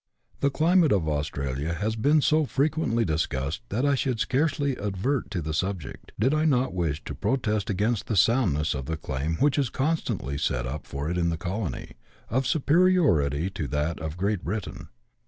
The climate of Australia has been so frequently discussed that I should scarcely advert to the subject, did I not wish to protest against the soundness of the claim which is constantly set up for it in the colony, of superiority to that of Great Britain.